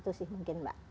itu sih mungkin mbak